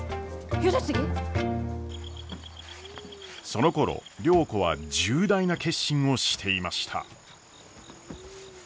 そのころ良子は重大な決心をしていました。